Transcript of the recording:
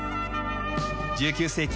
１９世紀